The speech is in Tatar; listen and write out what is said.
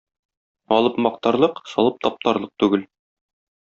Алып мактарлык, салып таптарлык түгел.